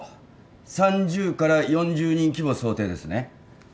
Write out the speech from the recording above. ３０から４０人規模想定ですね。